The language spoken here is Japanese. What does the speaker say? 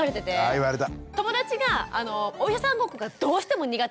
あ言われた。